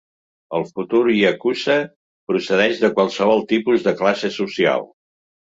El futur yakuza procedeix de qualsevol tipus de classe social.